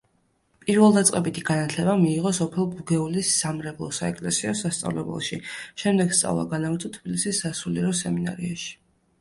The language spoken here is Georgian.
პირველდაწყებითი განათლება მიიღო სოფელ ბუგეულის სამრევლო-საეკლესიო სასწავლებელში, შემდეგ სწავლა განაგრძო თბილისის სასულიერო სემინარიაში.